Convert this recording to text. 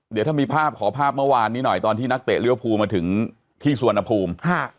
เดี๋ยวถ้ามีภาพขอภาพเมื่อวานนี้หน่อยตอนที่นักเตะเรียวภูมาถึงที่สุวรรณภูมิ